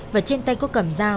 và trên tay có cầm dao